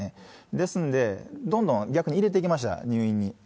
ですんで、どんどん逆に入れていきました、入院に。